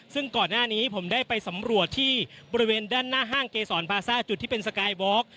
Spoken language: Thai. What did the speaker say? ซึ่งก่อนหน้านี้ผมได้ไปสำรวจที่บริเวณด้านหน้าห้างเกษรพาซ่าจุดที่เป็นสกายวอล์ก